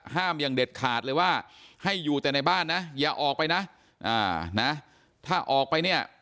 อย่างเด็ดขาดเลยว่าให้อยู่แต่ในบ้านนะอย่าออกไปนะถ้าออกไปเนี่ย